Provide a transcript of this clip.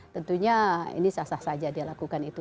tentunya ini sah sah saja dia lakukan itu